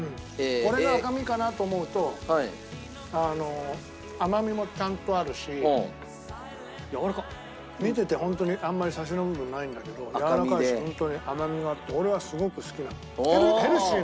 これが赤身かなと思うと甘みもちゃんとあるし見ててホントにあんまりサシの部分ないんだけどやわらかいしホントに甘みがあって俺はすごく好きなヘルシーな感じが。